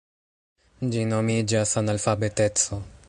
Ĝi nomiĝas analfabeteco.